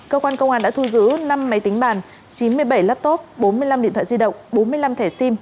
cơ quan công an đã thu giữ năm máy tính bàn chín mươi bảy laptop bốn mươi năm điện thoại di động bốn mươi năm thẻ sim